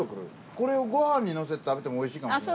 これをご飯に乗せて食べてもおいしいかもしれないですね。